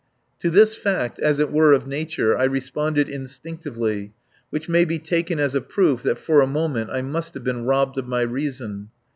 To this fact, as it were of nature, I responded instinctively; which may be taken as a proof that for a moment I must have been robbed of my reason.